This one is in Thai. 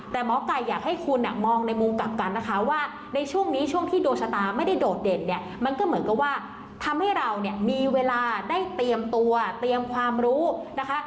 แต่หมอไก่อยากให้คุณมองในมุมกลับกันนะคะว่าในช่วงนี้ช่วงที่ดวงชะตาไม่ได้โดดเด่นเนี่ยมันก็เหมือนกับว่าทำให้เราเนี่ยมีเวลาได้เตรียมตัวเตรียมความรู้นะคะ